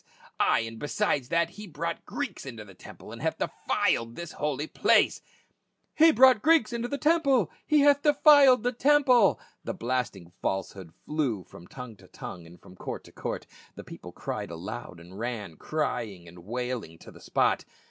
Ay, and besides that, he brought Greeks into the temple, and hath defiled this holy place !"" He brought Greeks into the temple ! He hath defiled the temple !" The blasting falsehood flew from tongue to tongue and from court to court ; the people cried aloud and ran crying and wailing to the spot.